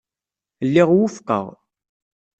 Lliɣ wufqeɣ.